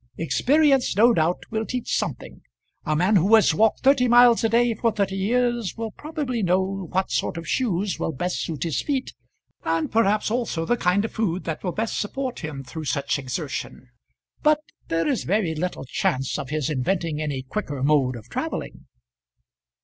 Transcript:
Experience no doubt will teach something. A man who has walked thirty miles a day for thirty years will probably know what sort of shoes will best suit his feet, and perhaps also the kind of food that will best support him through such exertion; but there is very little chance of his inventing any quicker mode of travelling."